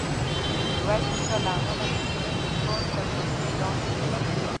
ميرويس نيکه له اوله پوهېده چې ښار تر محاصرې لاندې راځي.